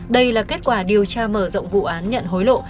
đây là kết quả điều tra mở rộng vụ án nhận hối lộ